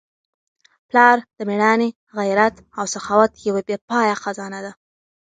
پلار د مېړانې، غیرت او سخاوت یوه بې پایه خزانه ده.